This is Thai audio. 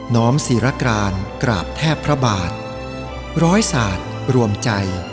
้อมศิรการกราบแทบพระบาทร้อยศาสตร์รวมใจ